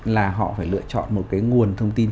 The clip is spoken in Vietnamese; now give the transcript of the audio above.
là họ phải lựa chọn một cái nguồn thông tin